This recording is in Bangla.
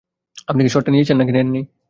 আপনি কি শটটা নিয়েছেন নাকি নেননি?